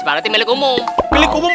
baru milik umum